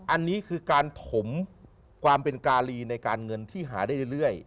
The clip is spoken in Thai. อันนี้คือการถมความเป็นการีในการเงินที่หาได้เรื่อย